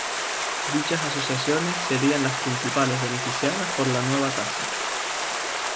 Dichas asociaciones serían las principales beneficiadas por la nueva tasa.